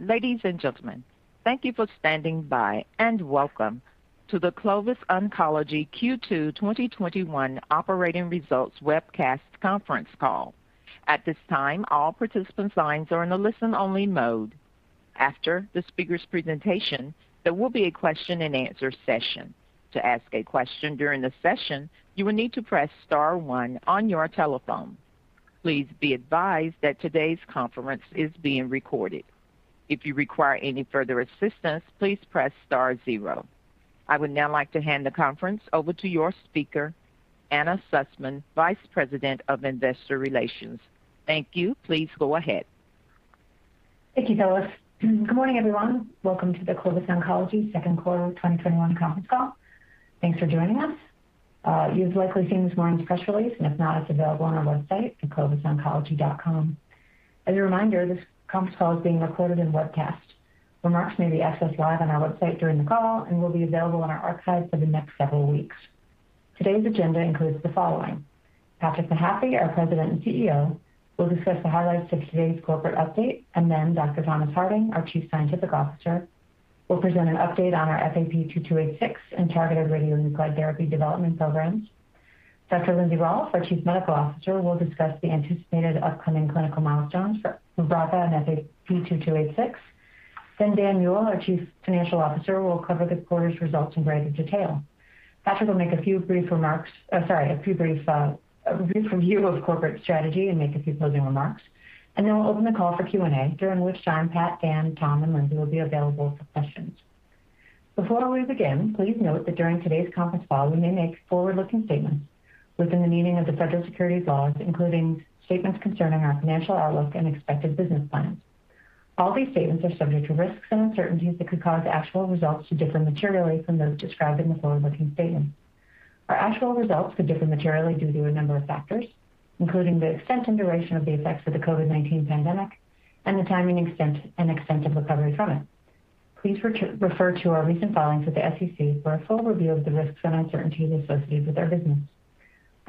Ladies and gentlemen, thank you for standing by, and welcome to the Clovis Oncology Q2 2021 Operating Results Webcast Conference Call. At this time all participants are in only listen mode. After the speakers' presentation, there will be a question and answer session. To ask a question during the session you will need to press star one on your telephone. Please be advised that todays conference is being recorded. If you require any further assistance please press star then zero. I would now like to hand the conference over to your speaker, Anna Sussman, Vice President of Investor Relations. Thank you. Please go ahead. Thank you, Phyllis. Good morning, everyone. Welcome to the Clovis Oncology Second Quarter 2021 Conference Call. Thanks for joining us. You've likely seen this morning's press release, and if not, it's available on our website at clovisoncology.com. As a reminder, this conference call is being recorded and webcast. Remarks may be accessed live on our website during the call and will be available in our archive for the next several weeks. Today's agenda includes the following. Patrick Mahaffy, our President and CEO, will discuss the highlights of today's corporate update, and Dr. Thomas Harding, our Chief Scientific Officer, will present an update on our FAP-2286 and targeted radionuclide therapy development programs. Dr. Lindsey Rolfe, our Chief Medical Officer, will discuss the anticipated upcoming clinical milestones for RUBRACA and FAP-2286. Dan Muehl, our Chief Financial Officer, will cover this quarter's results in greater detail. Patrick will make a few brief remarks, a brief review of corporate strategy and make a few closing remarks. Then we'll open the call for Q&A, during which time Pat, Dan, Tom, and Lindsey will be available for questions. Before we begin, please note that during today's conference call, we may make forward-looking statements within the meaning of the federal securities laws, including statements concerning our financial outlook and expected business plans. All these statements are subject to risks and uncertainties that could cause actual results to differ materially from those described in the forward-looking statements. Our actual results could differ materially due to a number of factors, including the extent and duration of the effects of the COVID-19 pandemic and the timing, extent, and extent of recovery from it. Please refer to our recent filings with the SEC for a full review of the risks and uncertainties associated with our business.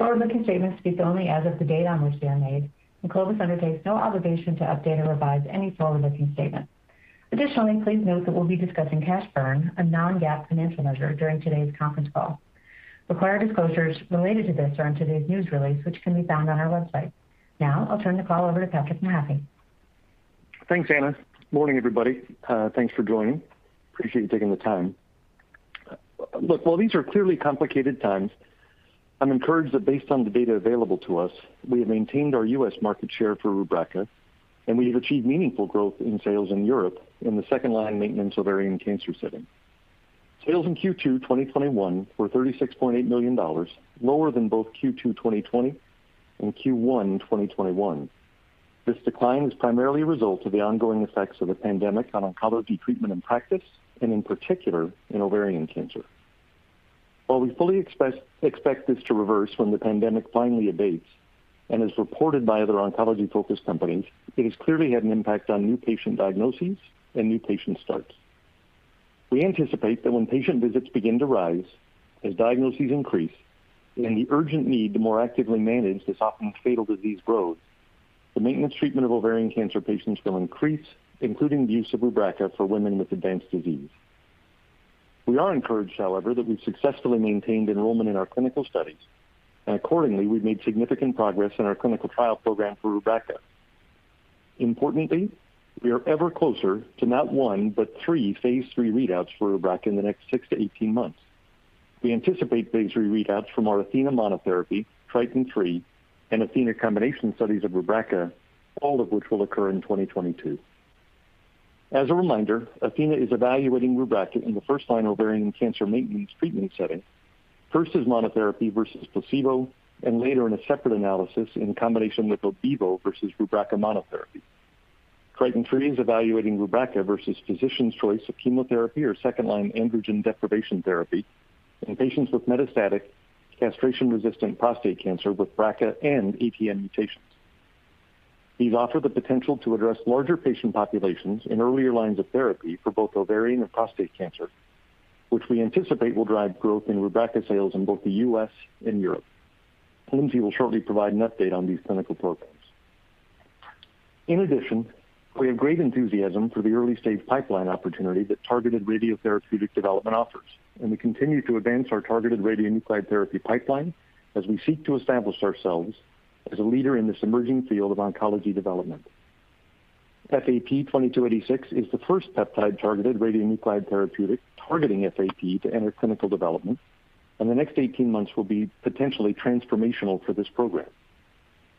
Forward-looking statements speak only as of the date on which they are made, and Clovis undertakes no obligation to update or revise any forward-looking statements. Additionally, please note that we'll be discussing cash burn, a non-GAAP financial measure, during today's conference call. Required disclosures related to this are in today's news release, which can be found on our website. Now, I'll turn the call over to Patrick Mahaffy. Thanks, Anna. Morning, everybody. Thanks for joining. Appreciate you taking the time. While these are clearly complicated times, I am encouraged that based on the data available to us, we have maintained our U.S. market share for RUBRACA, and we have achieved meaningful growth in sales in Europe in the second-line maintenance ovarian cancer setting. Sales in Q2 2021 were $36.8 million, lower than both Q2 2020 and Q1 2021. This decline was primarily a result of the ongoing effects of the pandemic on oncology treatment and practice, and in particular, in ovarian cancer. While we fully expect this to reverse when the pandemic finally abates, and as reported by other oncology-focused companies, it has clearly had an impact on new patient diagnoses and new patient starts. We anticipate that when patient visits begin to rise, as diagnoses increase, and the urgent need to more actively manage this often fatal disease grows, the maintenance treatment of ovarian cancer patients will increase, including the use of RUBRACA for women with advanced disease. We are encouraged, however, that we've successfully maintained enrollment in our clinical studies, and accordingly, we've made significant progress in our clinical trial program for RUBRACA. Importantly, we are ever closer to not one but three phase III readouts for RUBRACA in the next six to 18 months. We anticipate phase III readouts from our ATHENA monotherapy, TRITON3, and ATHENA combination studies of RUBRACA, all of which will occur in 2022. As a reminder, ATHENA is evaluating RUBRACA in the first-line ovarian cancer maintenance treatment setting, first as monotherapy versus placebo, and later in a separate analysis in combination with atezo versus RUBRACA monotherapy. TRITON3 is evaluating RUBRACA versus physician's choice of chemotherapy or second-line androgen deprivation therapy in patients with metastatic castration-resistant prostate cancer with BRCA and ATM mutations. These offer the potential to address larger patient populations in earlier lines of therapy for both ovarian and prostate cancer, which we anticipate will drive growth in RUBRACA sales in both the U.S. and Europe. Lindsey will shortly provide an update on these clinical programs. In addition, we have great enthusiasm for the early-stage pipeline opportunity that targeted radiotherapeutic development offers, and we continue to advance our targeted radionuclide therapy pipeline as we seek to establish ourselves as a leader in this emerging field of oncology development. FAP-2286 is the first peptide-targeted radionuclide therapeutic targeting FAP to enter clinical development, and the next 18 months will be potentially transformational for this program.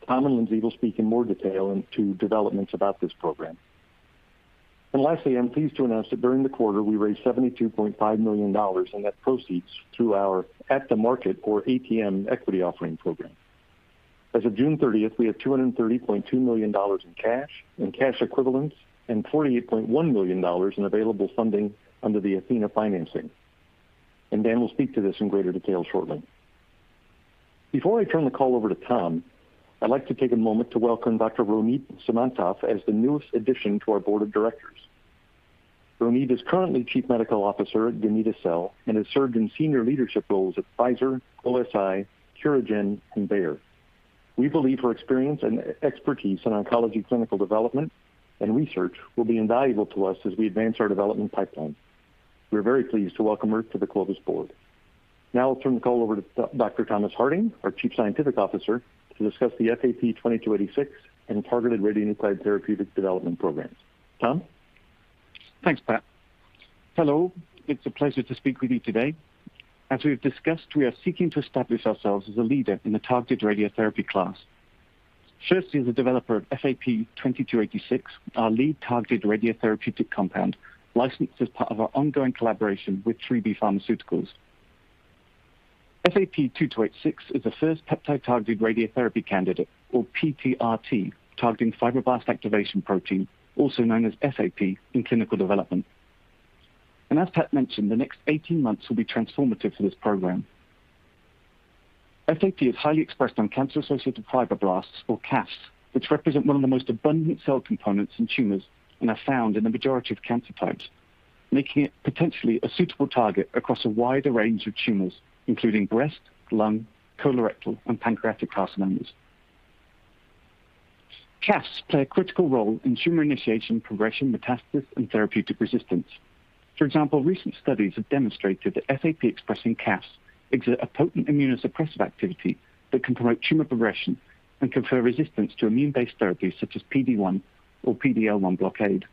Tom and Lindsey will speak in more detail into developments about this program. Lastly, I'm pleased to announce that during the quarter, we raised $72.5 million in net proceeds through our at-the-market, or ATM, equity offering program. As of June 30th, we had $230.2 million in cash and cash equivalents and $48.1 million in available funding under the ATHENA financing. Dan will speak to this in greater detail shortly. Before I turn the call over to Tom, I'd like to take a moment to welcome Dr. Ronit Simantov as the newest addition to our board of directors. Ronit is currently Chief Medical Officer at Gamida Cell and has served in senior leadership roles at Pfizer, OSI, CuraGen, and Bayer. We believe her experience and expertise in oncology clinical development and research will be invaluable to us as we advance our development pipeline. We're very pleased to welcome her to the Clovis board. Now I'll turn the call over to Dr. Thomas Harding, our Chief Scientific Officer, to discuss the FAP-2286 and targeted radionuclide therapeutics development programs. Tom? Thanks, Pat. Hello. It's a pleasure to speak with you today. As we've discussed, we are seeking to establish ourselves as a leader in the targeted radiotherapy class. First as the developer of FAP-2286, our lead targeted radiotherapeutic compound, licensed as part of our ongoing collaboration with 3B Pharmaceuticals. FAP-2286 is the first peptide-targeted radiotherapy candidate, or PTRT, targeting fibroblast activation protein, also known as FAP, in clinical development. As Pat mentioned, the next 18 months will be transformative for this program. FAP is highly expressed on cancer-associated fibroblasts, or CAFs, which represent one of the most abundant cell components in tumors and are found in the majority of cancer types, making it potentially a suitable target across a wider range of tumors, including breast, lung, colorectal, and pancreatic carcinomas. CAFs play a critical role in tumor initiation, progression, metastasis, and therapeutic resistance. Recent studies have demonstrated that FAP-expressing CAFs exert a potent immunosuppressive activity that can promote tumor progression and confer resistance to immune-based therapies such as PD-1 or PD-L1 blockade.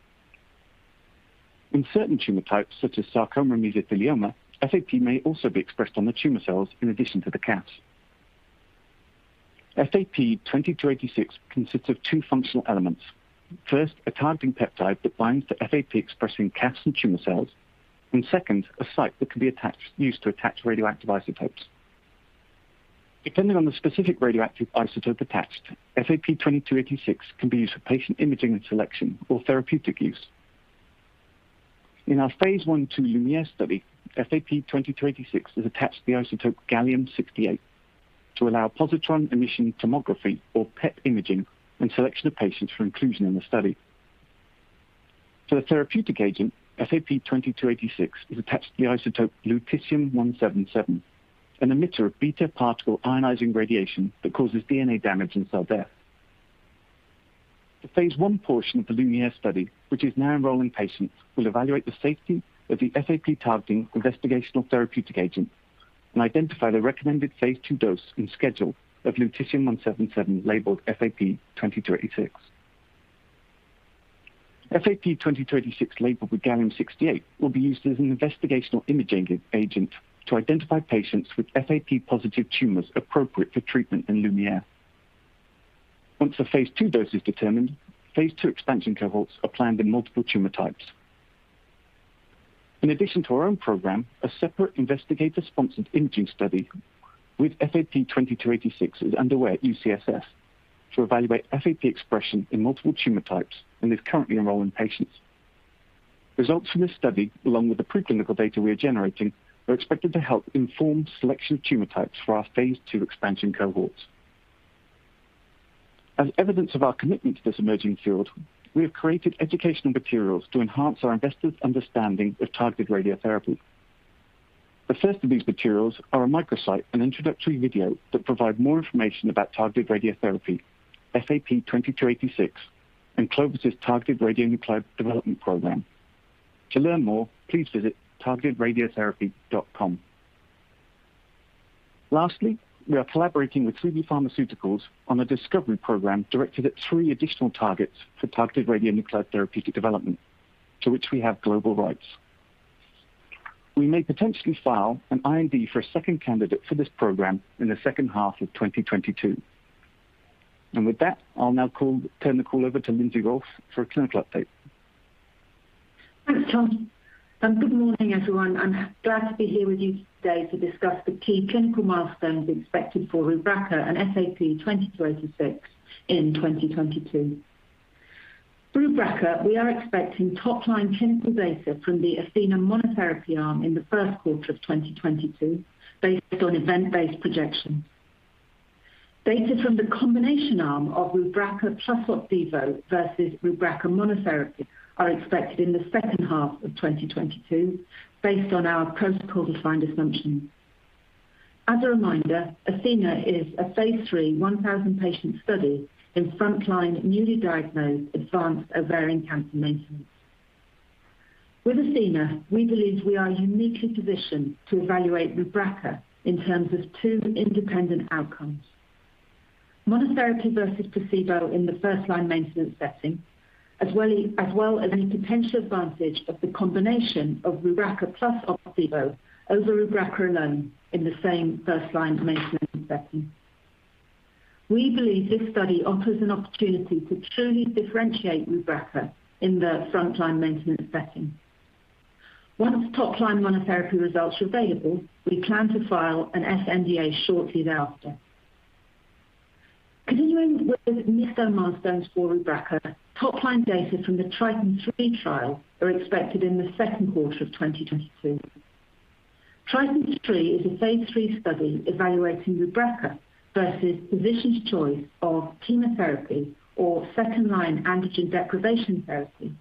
In certain tumor types, such as sarcoma or mesothelioma, FAP may also be expressed on the tumor cells in addition to the CAFs. FAP-2286 consists of two functional elements. First, a targeting peptide that binds to FAP-expressing CAFs and tumor cells, and second, a site that can be used to attach radioactive isotopes. Depending on the specific radioactive isotope attached, FAP-2286 can be used for patient imaging and selection or therapeutic use. In our phase I/II LuMIERE study, FAP-2286 is attached to the isotope gallium-68 to allow positron emission tomography, or PET imaging, and selection of patients for inclusion in the study. For the therapeutic agent, FAP-2286 is attached to the isotope lutetium-177, an emitter of beta particle ionizing radiation that causes DNA damage and cell death. The phase I portion of the LuMIERE study, which is now enrolling patients, will evaluate the safety of the FAP-targeting investigational therapeutic agent and identify the recommended phase II dose and schedule of lutetium-177 labeled FAP-2286. FAP-2286 labeled with gallium-68 will be used as an investigational imaging agent to identify patients with FAP-positive tumors appropriate for treatment in LuMIERE. Once the phase II dose is determined, phase II expansion cohorts are planned in multiple tumor types. In addition to our own program, a separate investigator-sponsored imaging study with FAP-2286 is underway at UCSF to evaluate FAP expression in multiple tumor types and is currently enrolling patients. Results from this study, along with the preclinical data we are generating, are expected to help inform selection of tumor types for our phase II expansion cohorts. As evidence of our commitment to this emerging field, we have created educational materials to enhance our investors' understanding of targeted radiotherapy. The first of these materials are a microsite and introductory video that provide more information about targeted radiotherapy, FAP-2286, and Clovis' targeted radionuclide development program. To learn more, please visit targetedradiotherapy.com. Lastly, we are collaborating with 3B Pharmaceuticals on a discovery program directed at three additional targets for targeted radionuclide therapeutic development to which we have global rights. We may potentially file an IND for a second candidate for this program in the second half of 2022. With that, I'll now turn the call over to Lindsey Rolfe for a clinical update. Thanks, Tom, and good morning, everyone. I'm glad to be here with you today to discuss the key clinical milestones expected for RUBRACA and FAP-2286 in 2022. For RUBRACA, we are expecting top-line clinical data from the ATHENA monotherapy arm in the first quarter of 2022, based on event-based projection. Data from the combination arm of RUBRACA plus Opdivo versus RUBRACA monotherapy are expected in the second half of 2022, based on our protocol-defined assumption. As a reminder, ATHENA is a phase III 1,000-patient study in frontline newly diagnosed advanced ovarian cancer maintenance. With ATHENA, we believe we are uniquely positioned to evaluate RUBRACA in terms of two independent outcomes. Monotherapy versus placebo in the first-line maintenance setting, as well as any potential advantage of the combination of RUBRACA plus Opdivo over RUBRACA alone in the same first-line maintenance setting. We believe this study offers an opportunity to truly differentiate RUBRACA in the frontline maintenance setting. Once top-line monotherapy results are available, we plan to file an sNDA shortly thereafter. Continuing with the milestone for RUBRACA, top-line data from the TRITON3 trial are expected in the second quarter of 2022. TRITON3 is a phase III study evaluating RUBRACA versus physician's choice of chemotherapy or second-line androgen deprivation therapy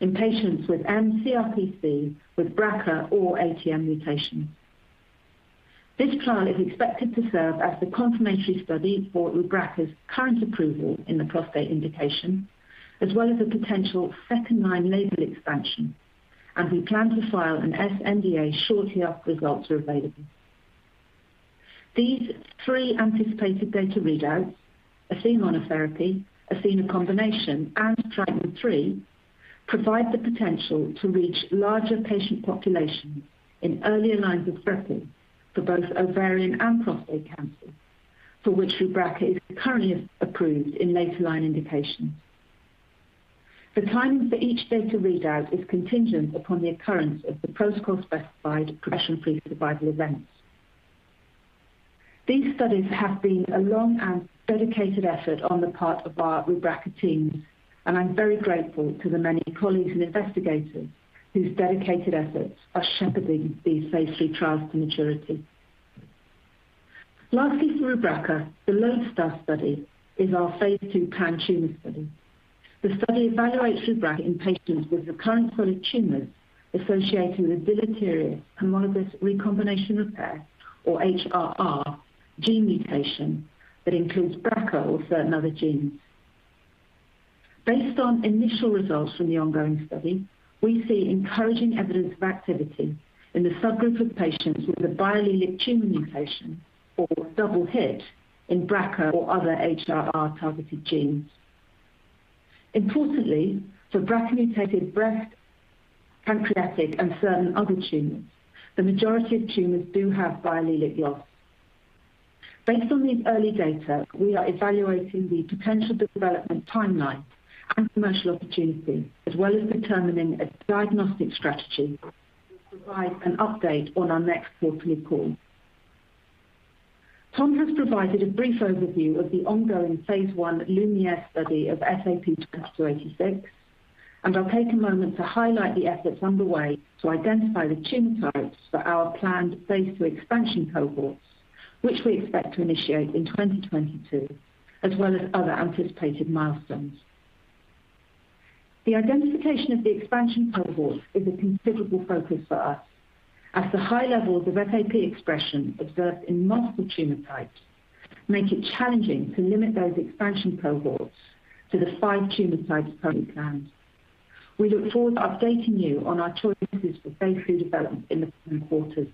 in patients with mCRPC with BRCA or ATM mutation. This trial is expected to serve as the confirmation study for RUBRACA's current approval in the prostate indication, as well as a potential second-line label expansion. We plan to file an sNDA shortly after results are available. These three anticipated data readouts, ATHENA monotherapy, ATHENA combination, and TRITON3, provide the potential to reach larger patient populations in earlier lines of therapy for both ovarian and prostate cancer, for which RUBRACA is currently approved in later line indications. The timing for each data readout is contingent upon the occurrence of the protocol-specified progression-free survival events. These studies have been a long and dedicated effort on the part of our RUBRACA teams, and I'm very grateful to the many colleagues and investigators whose dedicated efforts are shepherding these phase III trials to maturity. Lastly, for RUBRACA, the LODESTAR study is our phase II pan-tumor study. The study evaluates RUBRACA in patients with recurrent solid tumors associated with bilateral homologous recombination repair, or HRR, gene mutation that includes BRCA or certain other genes. Based on initial results from the ongoing study, we see encouraging evidence of activity in the subgroup of patients with a biallelic tumor mutation, or double hit, in BRCA or other HRR-targeted genes. Importantly, for BRCA-mutated breast, pancreatic, and certain other tumors, the majority of tumors do have biallelic loss. Based on these early data, we are evaluating the potential development timeline and commercial opportunity, as well as determining a diagnostic strategy. We'll provide an update on our next quarterly call. Tom has provided a brief overview of the ongoing phase I LuMIERE study of FAP-2286, I'll take a moment to highlight the efforts underway to identify the tumor types for our planned phase II expansion cohorts, which we expect to initiate in 2022, as well as other anticipated milestones. The identification of the expansion cohorts is a considerable focus for us, as the high levels of FAP expression observed in multiple tumor types make it challenging to limit those expansion cohorts to the five tumor types currently planned. We look forward to updating you on our choices for phase III development in the coming quarters.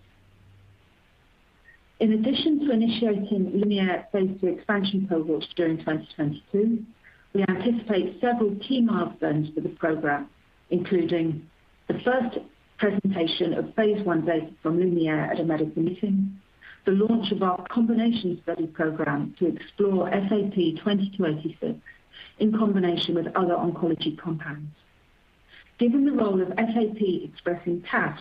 In addition to initiating LuMIERE phase II expansion cohorts during 2022, we anticipate several key milestones for the program, including the first presentation of phase I data from LuMIERE at a medical meeting, the launch of our combination study program to explore FAP-2286 in combination with other oncology compounds. Given the role of FAP expressing CAFs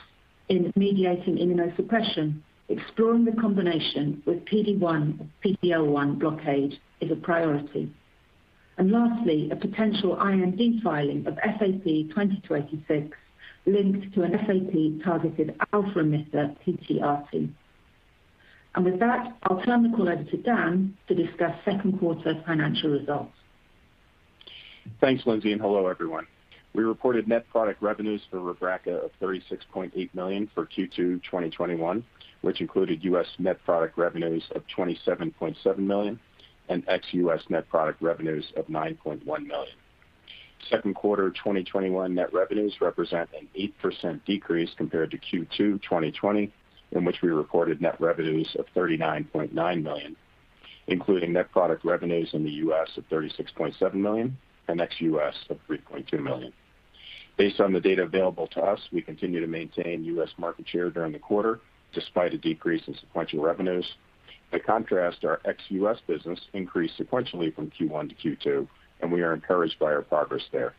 in mediating immunosuppression, exploring the combination with PD-1 or PD-L1 blockade is a priority. Lastly, a potential IND filing of FAP-2286 linked to an FAP-targeted alpha-emitter PTRT. With that, I'll turn the call over to Dan to discuss second quarter financial results. Thanks, Lindsey. Hello, everyone. We reported net product revenues for RUBRACA of $36.8 million for Q2 2021, which included U.S. net product revenues of $27.7 million and ex-U.S. net product revenues of $9.1 million. Second quarter 2021 net revenues represent an 8% decrease compared to Q2 2020, in which we reported net revenues of $39.9 million, including net product revenues in the U.S. of $36.7 million and ex-U.S. of $3.2 million. Based on the data available to us, we continue to maintain U.S. market share during the quarter, despite a decrease in sequential revenues. By contrast, our ex-U.S. business increased sequentially from Q1 to Q2. We are encouraged by our progress there.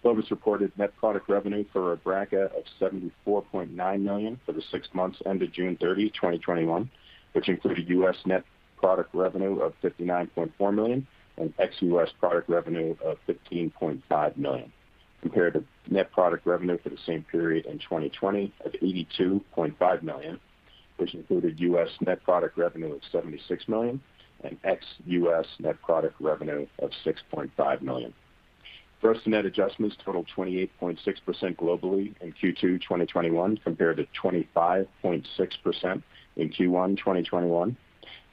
Clovis reported net product revenue for RUBRACA of $74.9 million for the six months ended June 30, 2021, which included U.S. net product revenue of $59.4 million and ex-U.S. product revenue of $15.5 million, compared to net product revenue for the same period in 2020 of $82.5 million, which included U.S. net product revenue of $76 million and ex-U.S. net product revenue of $6.5 million. Gross net adjustments totaled 28.6% globally in Q2 2021 compared to 25.6% in Q1 2021.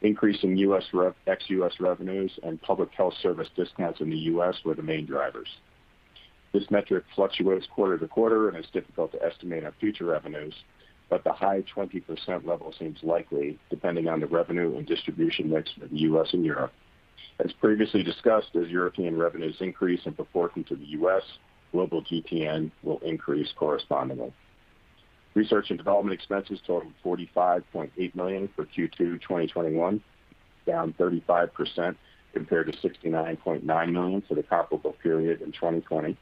Increase in ex-U.S. revenues and public health service discounts in the U.S. were the main drivers. This metric fluctuates quarter to quarter, it's difficult to estimate our future revenues, the high 20% level seems likely depending on the revenue and distribution mix of the U.S. and Europe. As previously discussed, as European revenues increase in proportion to the U.S., global GTN will increase correspondingly. Research and development expenses totaled $45.8 million for Q2 2021, down 35% compared to $69.9 million for the comparable period in 2020,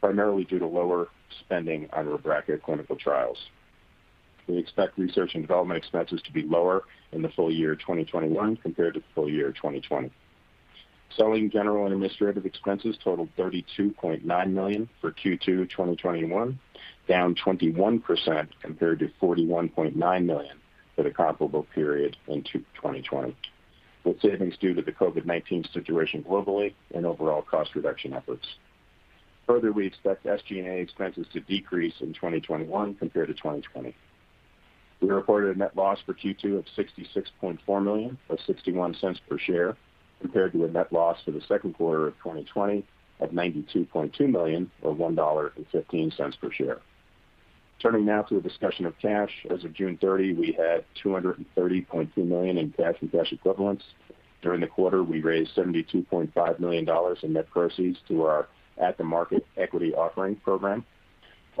primarily due to lower spending on RUBRACA clinical trials. We expect research and development expenses to be lower in the full year 2021 compared to full year 2020. Selling, general, and administrative expenses totaled $32.9 million for Q2 2021, down 21% compared to $41.9 million for the comparable period in 2020, with savings due to the COVID-19 situation globally and overall cost reduction efforts. Further, we expect SG&A expenses to decrease in 2021 compared to 2020. We reported a net loss for Q2 of $66.4 million, or $0.61 per share, compared to a net loss for the second quarter of 2020 of $92.2 million, or $1.15 per share. Turning now to a discussion of cash. As of June 30, we had $230.2 million in cash and cash equivalents. During the quarter, we raised $72.5 million in net proceeds to our at-the-market equity offering program.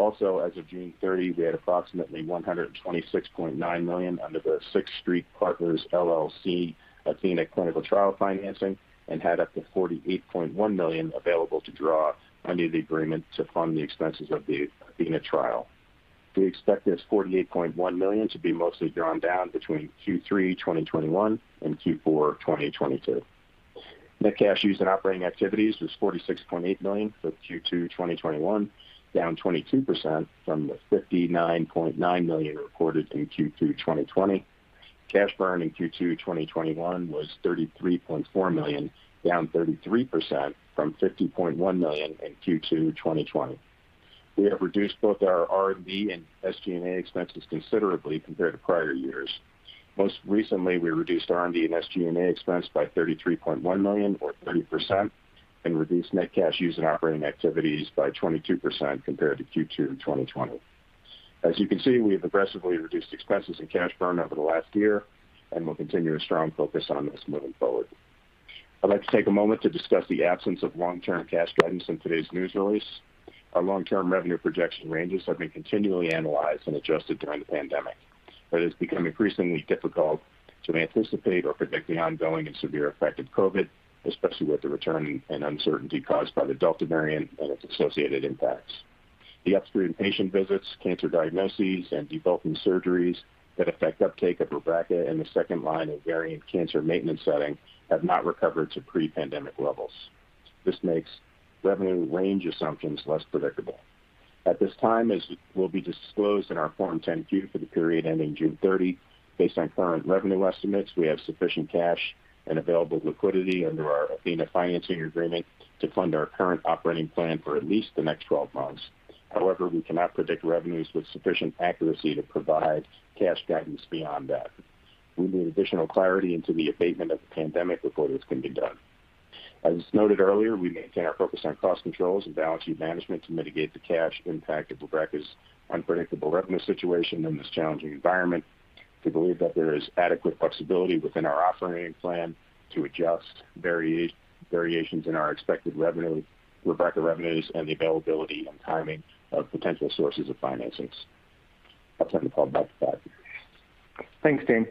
As of June 30th, we had approximately $126.9 million under the Sixth Street Partners, LLC ATHENA clinical trial financing and had up to $48.1 million available to draw under the agreement to fund the expenses of the ATHENA trial. We expect this $48.1 million to be mostly drawn down between Q3 2021 and Q4 2022. Net cash used in operating activities was $46.8 million for Q2 2021, down 22% from the $59.9 million recorded in Q2 2020. Cash burn in Q2 2021 was $33.4 million, down 33% from $50.1 million in Q2 2020. We have reduced both our R&D and SG&A expenses considerably compared to prior years. Most recently, we reduced R&D and SG&A expense by $33.1 million, or 30%, and reduced net cash used in operating activities by 22% compared to Q2 2020. As you can see, we've aggressively reduced expenses and cash burn over the last year and will continue a strong focus on this moving forward. I'd like to take a moment to discuss the absence of long-term cash guidance in today's news release. Our long-term revenue projection ranges have been continually analyzed and adjusted during the pandemic, but it has become increasingly difficult to anticipate or predict the ongoing and severe effect of COVID, especially with the return and uncertainty caused by the Delta variant and its associated impacts. The upstream patient visits, cancer diagnoses, and debulking surgeries that affect uptake of RUBRACA in the second line of ovarian cancer maintenance settings have not recovered to pre-pandemic levels. This makes revenue range assumptions less predictable. At this time, as will be disclosed in our Form 10-Q for the period ending June 30th, based on current revenue estimates, we have sufficient cash and available liquidity under our ATHENA financing agreement to fund our current operating plan for at least the next 12 months. However, we cannot predict revenues with sufficient accuracy to provide cash guidance beyond that. We need additional clarity into the abatement of the pandemic before this can be done. As noted earlier, we maintain our focus on cost controls and balance sheet management to mitigate the cash impact of RUBRACA's unpredictable revenue situation in this challenging environment. We believe that there is adequate flexibility within our operating plan to adjust variations in our expected RUBRACA revenues and the availability and timing of potential sources of financings. I'll turn the call back to Patrick. Thanks, Dan.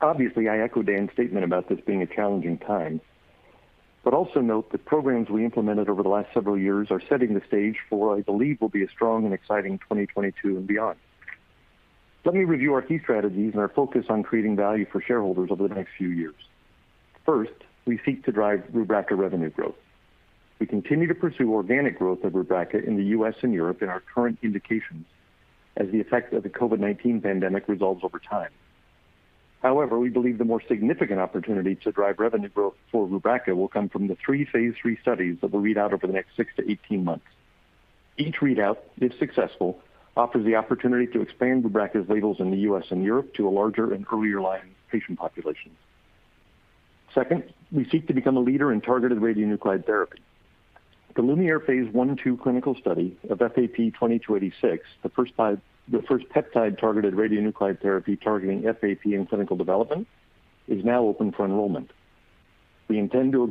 Obviously, I echo Dan's statement about this being a challenging time. Also note the programs we implemented over the last several years are setting the stage for what I believe will be a strong and exciting 2022 and beyond. Let me review our key strategies and our focus on creating value for shareholders over the next few years. First, we seek to drive RUBRACA revenue growth. We continue to pursue organic growth of RUBRACA in the U.S. and Europe in our current indications as the effect of the COVID-19 pandemic resolves over time. We believe the more significant opportunity to drive revenue growth for RUBRACA will come from the three phase III studies that will read out over the next six to 18 months. Each readout, if successful, offers the opportunity to expand RUBRACA's labels in the U.S. and Europe to a larger and earlier line patient population. Second, we seek to become a leader in targeted radionuclide therapy. The LuMIERE phase I/II clinical study of FAP-2286, the first peptide-targeted radionuclide therapy targeting FAP in clinical development, is now open for enrollment. We intend to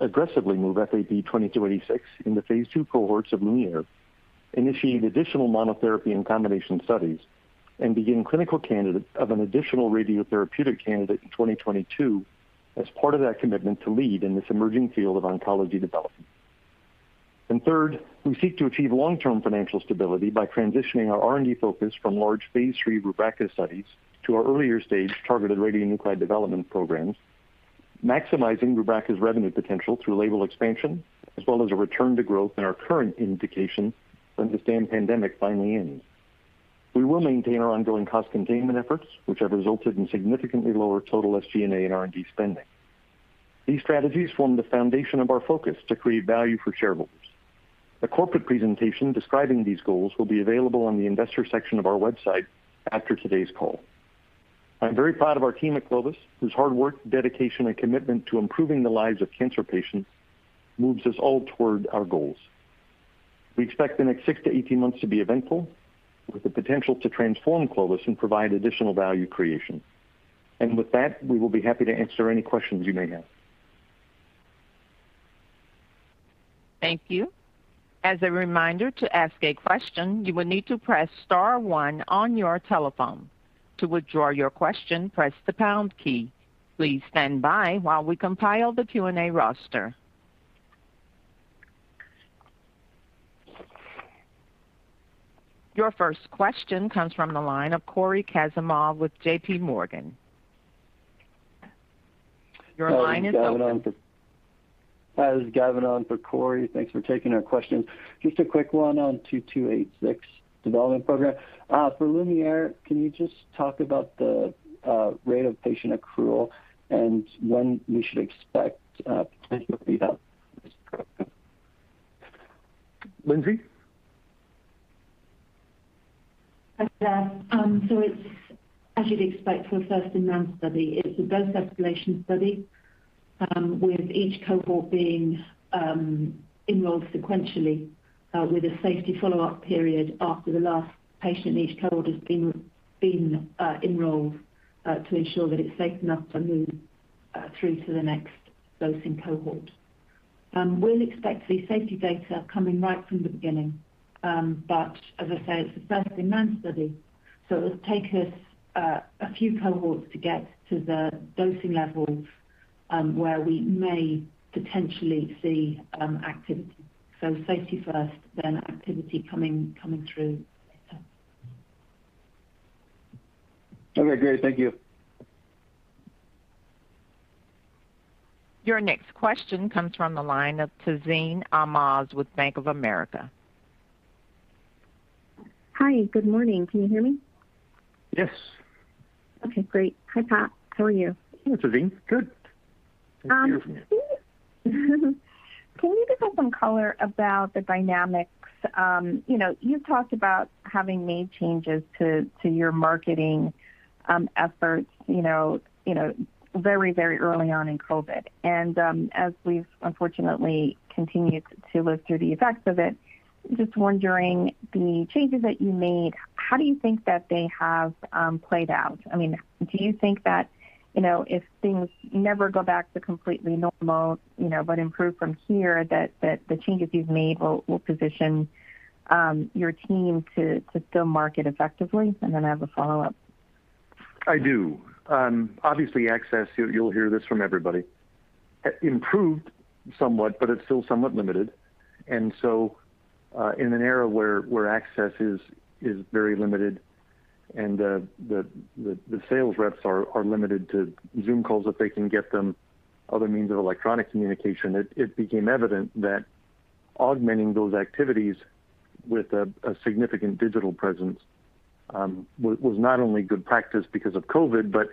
aggressively move FAP-2286 in the phase II cohorts of LuMIERE, initiate additional monotherapy and combination studies, and begin clinical candidates of an additional radiotherapeutic candidate in 2022 as part of that commitment to lead in this emerging field of oncology development. Third, we seek to achieve long-term financial stability by transitioning our R&D focus from large phase III Rubraca studies to our earlier-stage targeted radionuclide development programs, maximizing Rubraca's revenue potential through label expansion as well as a return to growth in our current indication when this damn pandemic finally ends. We will maintain our ongoing cost containment efforts, which have resulted in significantly lower total SG&A and R&D spending. These strategies form the foundation of our focus to create value for shareholders. A corporate presentation describing these goals will be available on the investor section of our website after today's call. I'm very proud of our team at Clovis, whose hard work, dedication, and commitment to improving the lives of cancer patients moves us all toward our goals. We expect the next six to 18 months to be eventful, with the potential to transform Clovis and provide additional value creation. With that, we will be happy to answer any questions you may have. Thank you. As a reminder to ask a question you will need to press star one on your telephone. To withdraw your question you need to press the pound key. Please standby as we compile the Q&A roster. Your first question comes from the line of Cory Kasimov with J.P. Morgan. Your line is open. Hi, this is Gavin on for Cory. Thanks for taking our question. Just a quick one on 2286 development program. For LuMIERE, can you just talk about the rate of patient accrual and when we should expect potential readouts? Lindsey? It's as you'd expect for a first-in-man study. It's a dose escalation study, with each cohort being enrolled sequentially, with a safety follow-up period after the last patient in each cohort has been enrolled to ensure that it's safe enough to move through to the next dosing cohort. We'll expect the safety data coming right from the beginning. As I say, it's a first-in-man study, so it'll take us a few cohorts to get to the dosing levels, where we may potentially see activity. Safety first, then activity coming through later. Okay, great. Thank you. Your next question comes from the line of Tazeen Ahmad with Bank of America. Hi. Good morning. Can you hear me? Yes. Okay, great. Hi, Pat. How are you? Hey, Tazeen. Good. Thank you for asking. Can you just give some color about the dynamics? You've talked about having made changes to your marketing efforts very early on in COVID-19. As we've unfortunately continued to live through the effects of it, just wondering the changes that you made, how do you think that they have played out? Do you think that if things never go back to completely normal but improve from here, that the changes you've made will position your team to still market effectively? I have a follow-up. I do. Obviously, access, you'll hear this from everybody, improved somewhat, but it's still somewhat limited. In an era where access is very limited and the sales reps are limited to Zoom calls if they can get them, other means of electronic communication, it became evident that augmenting those activities with a significant digital presence was not only good practice because of COVID, but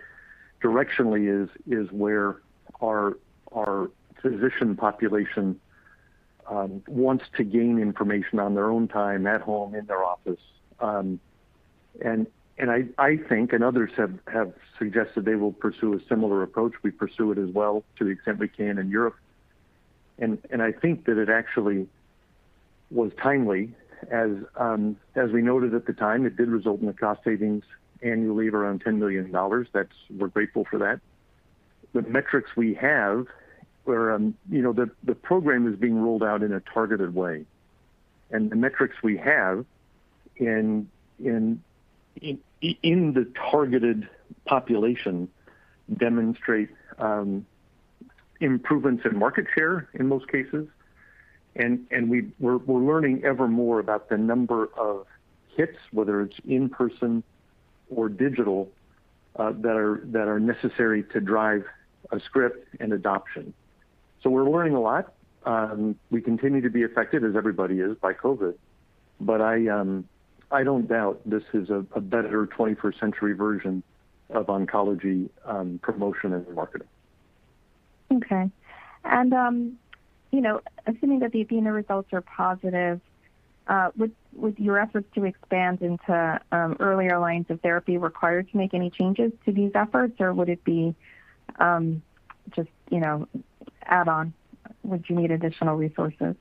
directionally is where our physician population wants to gain information on their own time, at home, in their office. I think, and others have suggested they will pursue a similar approach, we pursue it as well to the extent we can in Europe. I think that it actually was timely. As we noted at the time, it did result in a cost savings annually of around $10 million. We're grateful for that. The program is being rolled out in a targeted way. The metrics we have in the targeted population demonstrate improvements in market share in most cases. We're learning ever more about the number of hits, whether it's in-person or digital, that are necessary to drive a script and adoption. We're learning a lot. We continue to be affected, as everybody is, by COVID-19, but I don't doubt this is a better 21st-century version of oncology promotion and marketing. Okay. Assuming that the ATHENA results are positive, would your efforts to expand into earlier lines of therapy require to make any changes to these efforts, or would it be just add on? Would you need additional resources?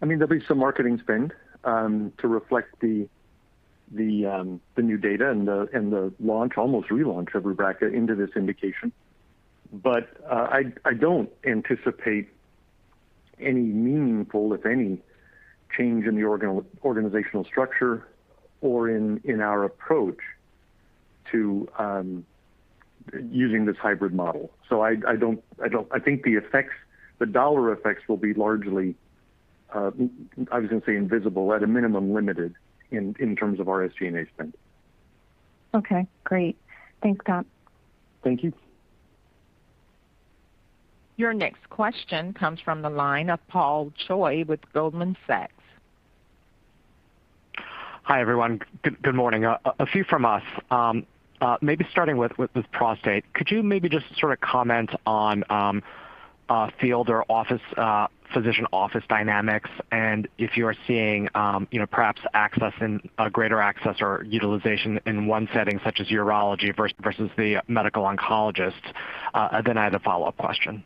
There'll be some marketing spend to reflect the new data and the launch, almost relaunch, of RUBRACA into this indication. I don't anticipate any meaningful, if any, change in the organizational structure or in our approach to using this hybrid model. I think the dollar effects will be largely, I was going to say invisible, at a minimum limited in terms of our SG&A spend. Okay, great. Thanks, Pat. Thank you. Your next question comes from the line of Paul Choi with Goldman Sachs. Hi, everyone. Good morning. A few from us. Maybe starting with prostate, could you maybe just sort of comment on field or physician office dynamics and if you are seeing perhaps a greater access or utilization in one setting, such as urology versus the medical oncologist? I had a follow-up question.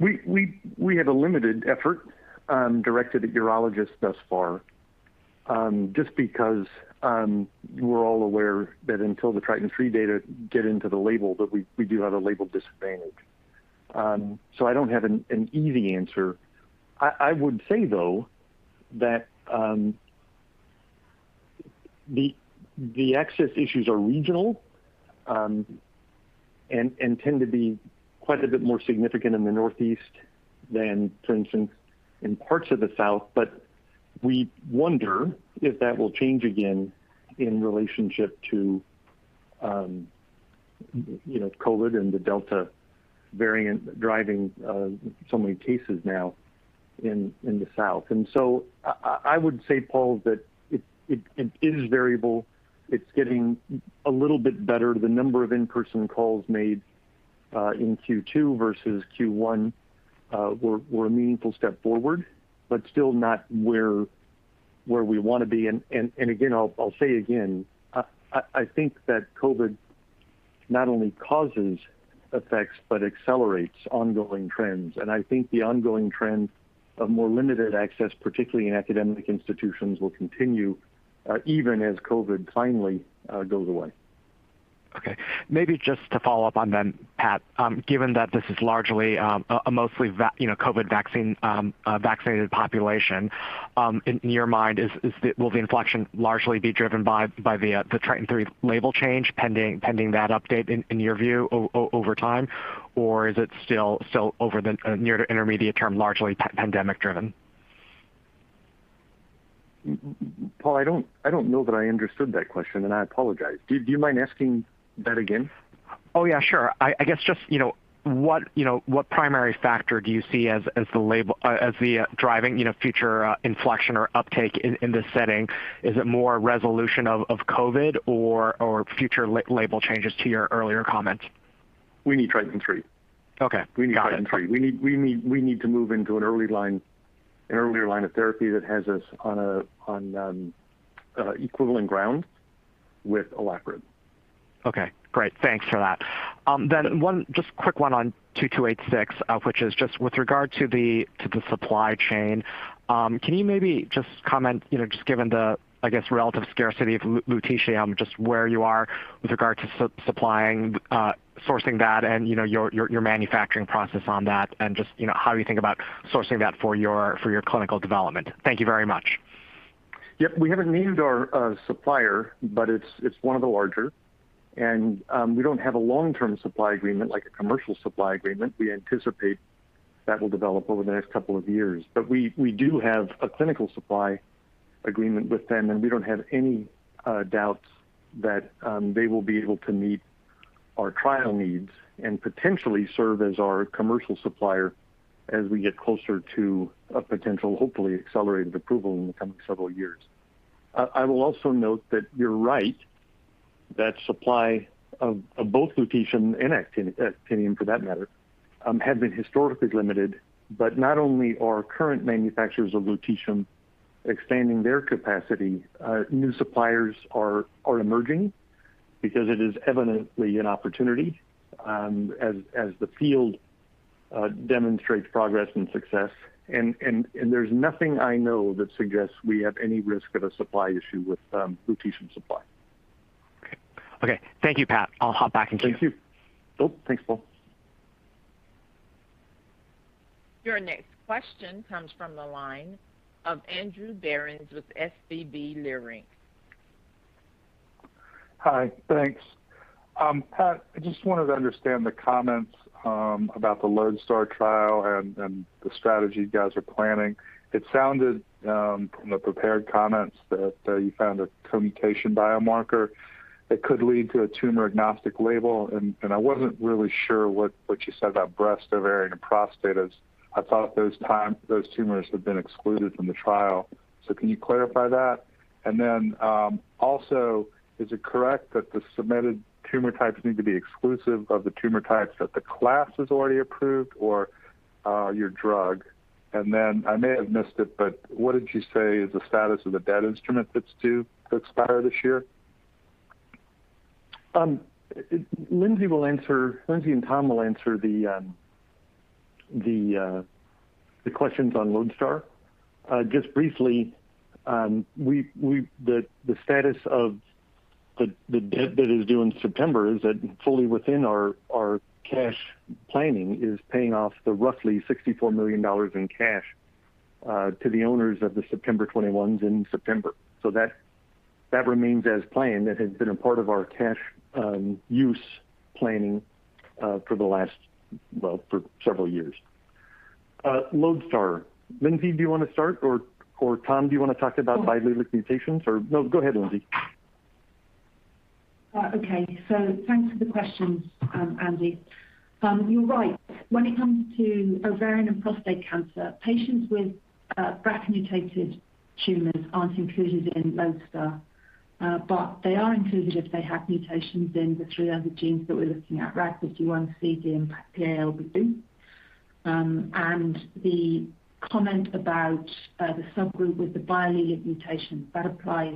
We had a limited effort directed at urologists thus far, just because we're all aware that until the TRITON3 data get into the label, that we do have a label disadvantage. I don't have an easy answer. I would say, though, that the access issues are regional and tend to be quite a bit more significant in the Northeast than, for instance, in parts of the South. We wonder if that will change again in relationship to COVID and the Delta variant driving so many cases now in the South. I would say, Paul, that it is variable. It's getting a little bit better. The number of in-person calls made in Q2 versus Q1 were a meaningful step forward, but still not where we want to be. Again, I'll say again, I think that COVID not only causes effects but accelerates ongoing trends. I think the ongoing trend of more limited access, particularly in academic institutions, will continue even as COVID finally goes away. Just to follow up on then, Pat, given that this is largely a mostly COVID-19-vaccinated population, in your mind, will the inflection largely be driven by the TRITON3 label change pending that update in your view over time? Or is it still over the near to intermediate term, largely pandemic driven? Paul, I don't know that I understood that question, and I apologize. Do you mind asking that again? Oh, yeah, sure. I guess just what primary factor do you see as the driving future inflection or uptake in this setting? Is it more resolution of COVID or future label changes to your earlier comment? We need TRITON3. Okay. Got it. We need TRITON3. We need to move into an earlier line of therapy that has us on equivalent ground with olaparib. Okay, great. Thanks for that. Just a quick one on 2286, which is just with regard to the supply chain. Can you maybe just comment, just given the, I guess, relative scarcity of lutetium, just where you are with regard to supplying, sourcing that and your manufacturing process on that and just how you think about sourcing that for your clinical development. Thank you very much. Yep, we haven't named our supplier, but it's one of the larger. We do not have a long-term supply agreement like a commercial supply agreement. We anticipate that will develop over the next couple of years. We do have a clinical supply agreement with them, and we do not have any doubts that they will be able to meet our trial needs and potentially serve as our commercial supplier as we get closer to a potential, hopefully accelerated approval in the coming several years. I will also note that you're right, that supply of both lutetium and actinium for that matter, had been historically limited. Not only are current manufacturers of lutetium expanding their capacity, new suppliers are emerging because it is evidently an opportunity as the field demonstrates progress and success. There's nothing I know that suggests we have any risk of a supply issue with lutetium supply. Okay. Thank you, Pat. I'll hop back in queue. Thank you. Oh, thanks, Paul. Your next question comes from the line of Andrew Berens with SVB Leerink. Hi, thanks. Pat, I just wanted to understand the comments about the LODESTAR trial and the strategy you guys are planning. It sounded from the prepared comments that you found a co-mutation biomarker that could lead to a tumor-agnostic label, and I wasn't really sure what you said about breast, ovarian, and prostate, as I thought those tumors had been excluded from the trial. Can you clarify that? Is it correct that the submitted tumor types need to be exclusive of the tumor types that the class has already approved or your drug? I may have missed it, but what did you say is the status of the debt instrument that's due to expire this year? Lindsey will answer. Lindsey and Tom will answer the questions on LODESTAR. Briefly, the status of the debt that is due in September is that fully within our cash planning is paying off the roughly $64 million in cash to the owners of the September 2021s in September. That remains as planned. That has been a part of our cash use planning for the last, well, for several years. LODESTAR. Lindsey, do you want to start, or Tom, do you want to talk about biallelic mutations or no, go ahead, Lindsey. Okay. Thanks for the questions, Andrew. You're right. When it comes to ovarian and prostate cancer, patients with BRCA mutated tumors aren't included in LODESTAR, but they are included if they have mutations in the three other genes that we're looking at, RAD51C, and PALB2. The comment about the subgroup with the biallelic mutations, that applies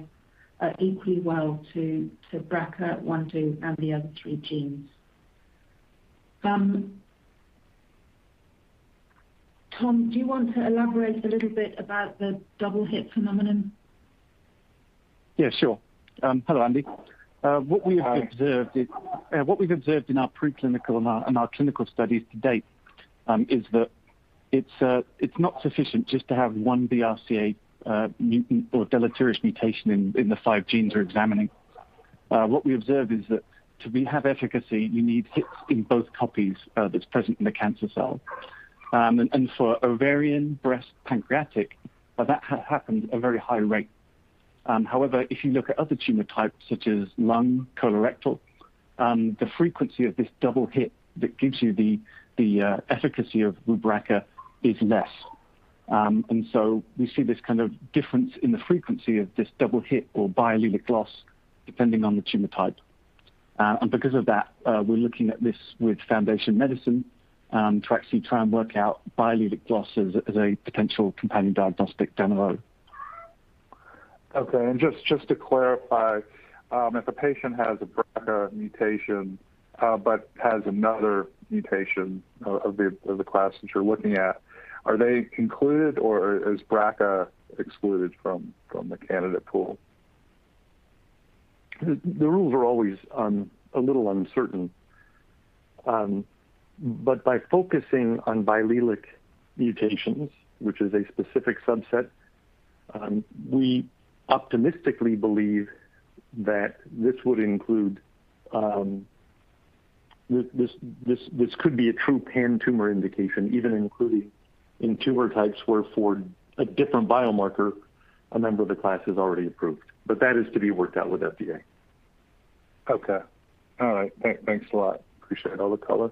equally well to BRCA1/2 and the other three genes. Tom, do you want to elaborate a little bit about the double hit phenomenon? Yeah, sure. Hello, Andy. Hi. What we've observed in our preclinical and our clinical studies to date is that. It's not sufficient just to have one BRCA mutant or deleterious mutation in the five genes we're examining. What we observe is that to have efficacy, you need hits in both copies that's present in the cancer cell. For ovarian breast pancreatic, that happens at a very high rate. However, if you look at other tumor types such as lung, colorectal, the frequency of this double hit that gives you the efficacy of RUBRACA is less. We see this kind of difference in the frequency of this double hit or biallelic loss depending on the tumor type. Because of that, we're looking at this with Foundation Medicine, to actually try and work out biallelic loss as a potential companion diagnostic down the road. Okay. Just to clarify, if a patient has a BRCA mutation, but has another mutation of the class that you're looking at, are they included, or is BRCA excluded from the candidate pool? The rules are always a little uncertain. By focusing on biallelic mutations, which is a specific subset, we optimistically believe that this could be a true pan-tumor indication, even including in tumor types where for a different biomarker, a member of the class has already approved. That is to be worked out with FDA. Okay. All right. Thanks a lot. Appreciate all the color.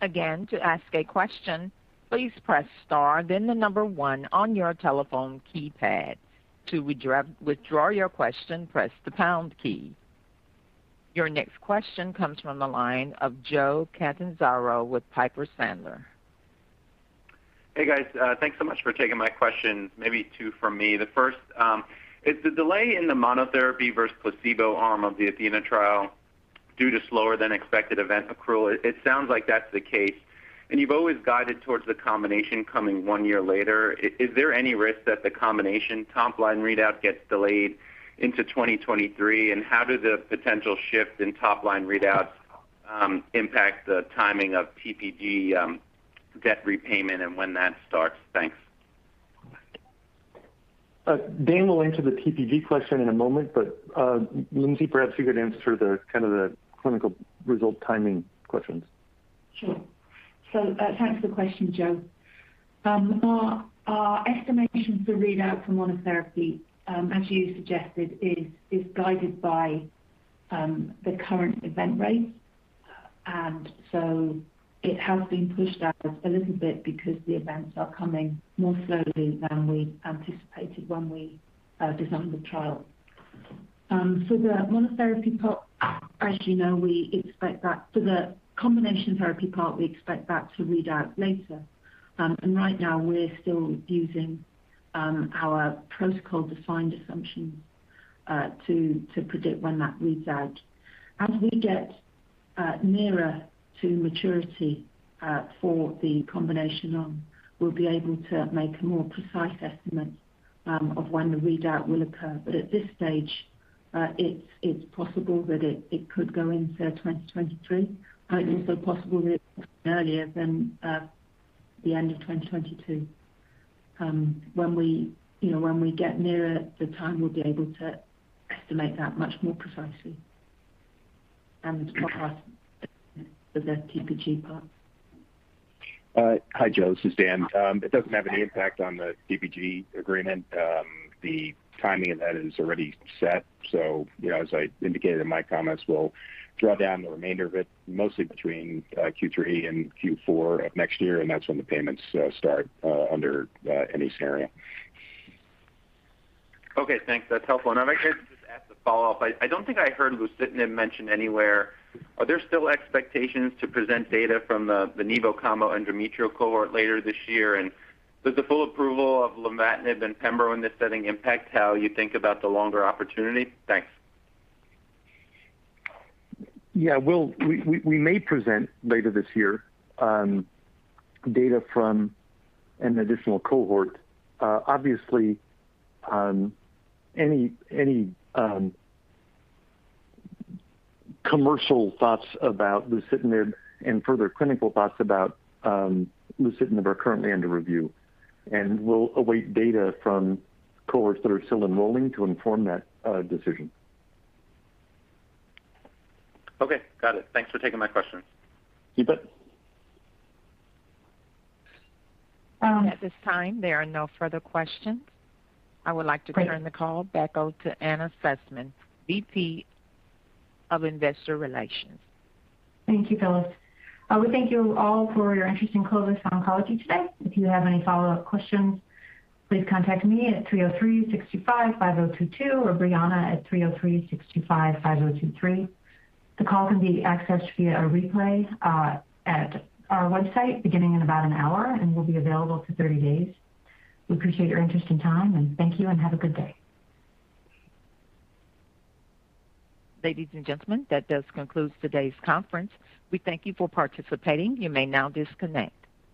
Again, to ask a question, please press star then the number one on your telephone keypad. To withdraw your question, press the pound key. Your next question comes from the line of Joe Catanzaro with Piper Sandler. Hey, guys. Thanks so much for taking my question, maybe two from me. The first, is the delay in the monotherapy versus placebo arm of the ATHENA trial due to slower than expected event accrual? It sounds like that's the case, and you've always guided towards the combination coming one year later. Is there any risk that the combination top-line readout gets delayed into 2023? How do the potential shifts in top-line readouts impact the timing of PPG debt repayment and when that starts? Thanks. Dan will answer the PPG question in a moment, but, Lindsey, perhaps you could answer the clinical result timing questions. Sure. Thanks for the question, Joe. Our estimation for readout for monotherapy, as you suggested, is guided by the current event rate. It has been pushed out a little bit because the events are coming more slowly than we anticipated when we designed the trial. For the monotherapy part, as you know, for the combination therapy part, we expect that to read out later. Right now, we're still using our protocol-defined assumption to predict when that reads out. As we get nearer to maturity for the combination arm, we'll be able to make a more precise estimate of when the readout will occur. At this stage, it's possible that it could go into 2023, and it's also possible it could be earlier than the end of 2022. When we get nearer the time, we'll be able to estimate that much more precisely. To pop off the PPG part. Hi, Joe. This is Dan. It doesn't have any impact on the PPG agreement. The timing of that is already set. As I indicated in my comments, we'll draw down the remainder of it mostly between Q3 and Q4 of next year, and that's when the payments start under any scenario. Okay, thanks. That's helpful. I'm actually going to just add the follow-up. I don't think I heard lucitanib mentioned anywhere. Are there still expectations to present data from the nivolumab combo endometrial cohort later this year? Does the full approval of lenvatinib and pembrolizumab in this setting impact how you think about the longer opportunity? Thanks. Yeah. We may present later this year data from an additional cohort. Obviously, any commercial thoughts about lucitanib and further clinical thoughts about lucitanib are currently under review, and we'll await data from cohorts that are still enrolling to inform that decision. Okay. Got it. Thanks for taking my question. Keep it. At this time, there are no further questions. I would like to turn the call back over to Anna Sussman, VP of Investor Relations. Thank you, Phyllis. We thank you all for your interest in Clovis Oncology today. If you have any follow-up questions, please contact me at 303-625-5022 or Breanna at 303-625-5023. The call can be accessed via a replay at our website beginning in about an hour and will be available for 30 days. We appreciate your interest and time, and thank you and have a good day. Ladies and gentlemen, that does conclude today's conference. We thank you for participating. You may now disconnect.